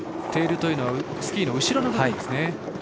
テールというのはスキーの後ろの部分ですね。